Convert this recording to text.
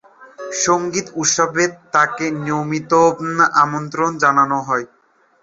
সঙ্গীত উৎসবে তাকে নিয়মিত আমন্ত্রণ জানানো হয়।